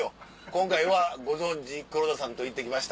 「今回はご存じ黒田さんと行ってきました」。